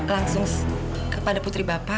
langsung kepada putri bapak